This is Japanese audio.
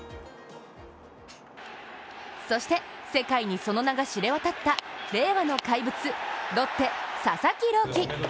そして世界にその名が知れ渡った令和の怪物、ロッテ・佐々木朗希。